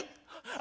あ！